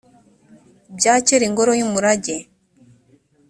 bya kera ingoro y umurage